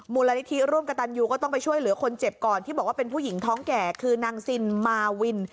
มูลนิธิร่วมกับตันยูก็ต้องไปช่วยเหลือคนเจ็บก่อนที่บอกว่าเป็นผู้หญิงท้องแก่คือนางซินมาวิน